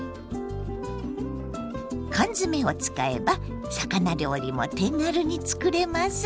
缶詰を使えば魚料理も手軽に作れます。